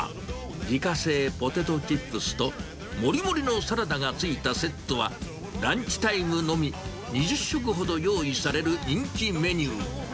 自家製ポテトチップスともりもりのサラダが付いたセットは、ランチタイムのみ、２０食ほど用意される人気メニュー。